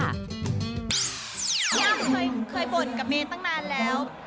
อ้ำเคยบ่นกับเมย์ตั้งนานแล้ว